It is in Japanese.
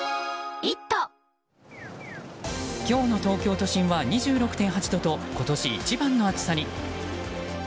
今日の東京都心は２６．８度と今年一番の暑さに。